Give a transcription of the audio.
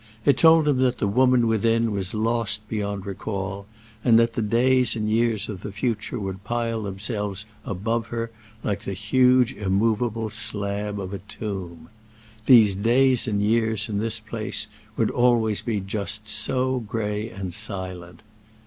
It told him that the woman within was lost beyond recall, and that the days and years of the future would pile themselves above her like the huge immovable slab of a tomb. These days and years, in this place, would always be just so gray and silent.